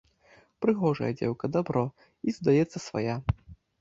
Прыгожая дзеўка, дабро, і, здаецца, свая.